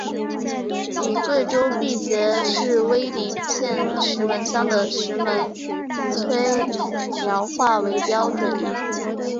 以贵州毕节市威宁县石门乡的石门坎苗话为标准音。